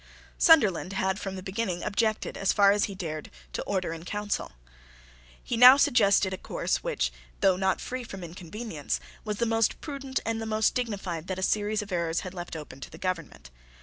Sunderland had from the beginning objected, as far as he dared, to the Order in Council. He now suggested a course which, though not free from inconveniences, was the most prudent and the most dignified that a series of errors had left open to the government.